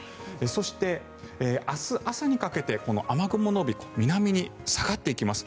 そして、明日朝にかけて雨雲の帯南に下がっていきます。